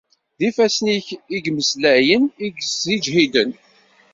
D ifassen-ik i y-imeslen, i y-isseǧhaden.